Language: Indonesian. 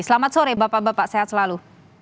selamat sore bapak bapak sehat selalu